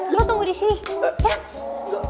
lo tunggu disini ya